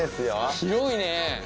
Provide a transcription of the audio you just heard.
広いね。